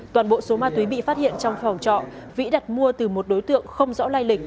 toàn bộ số ma túy bị phát hiện trong phòng trọ vĩ đặt mua từ một đối tượng không rõ lai lịch